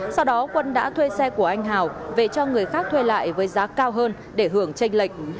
sau đó quân đã thuê xe của anh hào về cho người khác thuê lại với giá cao hơn để hưởng tranh lệch